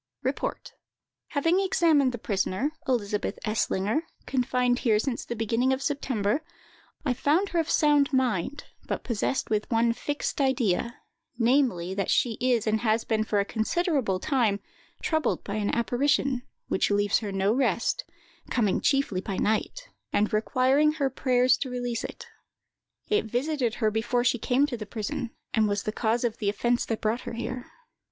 "REPORT. "Having examined the prisoner, Elizabeth Eslinger, confined here since the beginning of September, I found her of sound mind, but possessed with one fixed idea, namely, that she is and has been for a considerable time troubled by an apparition, which leaves her no rest, coming chiefly by night, and requiring her prayers to release it. It visited her before she came to the prison, and was the cause of the offence that brought her here.